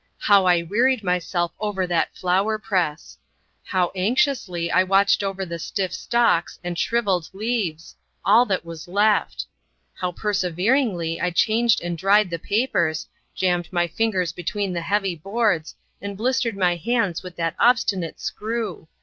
How I wearied myself over that flower press! How anxiously I watched over the stiff stalks and shrivelled leaves, all that was left! How perseveringly I changed and dried the papers, jammed my fingers between the heavy boards, and blistered my hands with that obstinate screw!